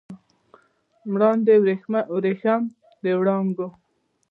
مراندې وریښم د وړانګو